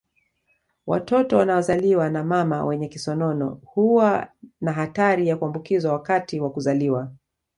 Watoto wanaozaliwa na mama wenye kisonono huwa na hatari ya kuambukizwa wakati wa kuzaliwa